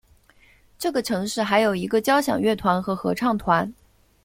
这个城市还有一个交响乐团和合唱团。